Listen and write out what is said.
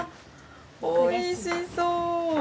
おいしそう。